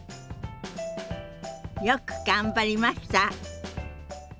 よく頑張りました。